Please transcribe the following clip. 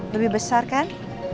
lebih besar kan